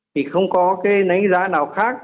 thì không có cái nánh giá nào khác